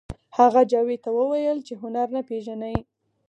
هغه جاوید ته وویل چې هنر نه پېژنئ